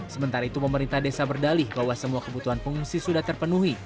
sementara itu pemerintah desa berdalih bahwa semua kebutuhan pengungsi sudah terpenuhi